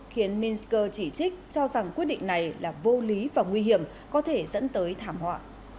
khiến minsk chỉ trích cho rằng quyết định này là vô lý và nguy hiểm có thể dẫn tới thảm họa